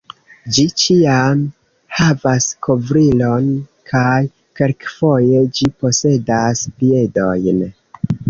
Ĝi ĉiam havas kovrilon kaj kelkfoje ĝi posedas piedojn.